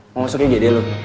mau masuk gd lo